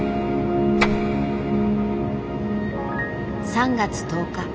３月１０日。